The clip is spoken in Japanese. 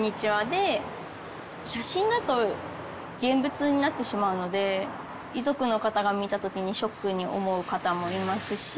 写真だと現物になってしまうので遺族の方が見た時にショックに思う方もいますし。